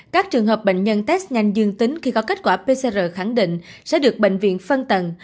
các trường hợp bệnh nhân test nhanh dương tính khi có kết quả pcr khẳng định sẽ được bệnh viện phân tầng